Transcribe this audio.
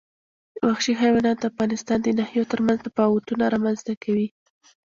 وحشي حیوانات د افغانستان د ناحیو ترمنځ تفاوتونه رامنځ ته کوي.